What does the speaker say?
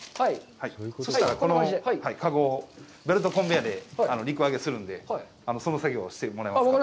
そしたら、この籠をベルトコンベヤーで陸揚げするので、その作業をしてもらえますか。